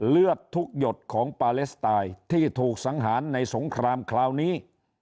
เลือดทุกหยดของปาเลสไตน์ที่ถูกสังหารในสงครามคราวนี้